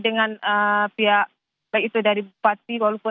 dengan pihak baik itu dari bupati walaupun